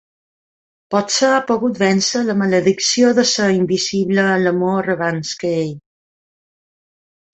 Potser ha pogut vèncer la maledicció de ser invisible a l'amor abans que ell.